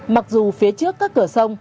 mặc dù phía trước các cửa sông